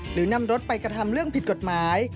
หรือนำรถไปกระทำเรื่องผิดกฎหมาย